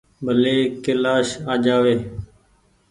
ڀلي ڪيلآش آ جآوي ۔